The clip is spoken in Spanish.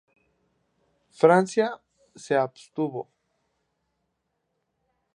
Francia se abstuvo.